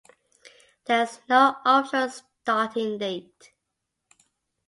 There is no official starting date.